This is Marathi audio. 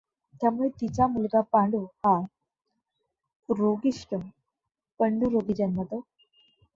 यामुळे तिचा मुलगा पांडु हा रोगीष्ट पंडुरोगी जन्मतो.